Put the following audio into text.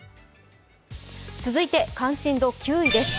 続いて関心度９位です。